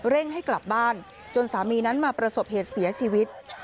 ให้กลับบ้านจนสามีนั้นมาประสบเหตุเสียชีวิต